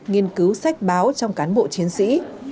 nghiên cứu sách báo trong cán bộ chiến sĩ